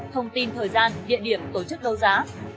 thông tin thời gian địa điểm tổ chức đấu giá